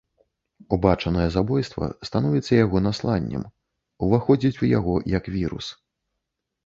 Убачанае забойства становіцца яго насланнем, уваходзіць у яго як вірус.